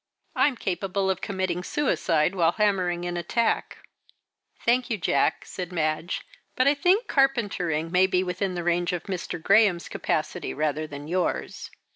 I'm capable of committing suicide while hammering in a tack." "Thank you, Jack," said Madge; "but I think carpentering may be within the range of Mr. Graham's capacity rather than yours."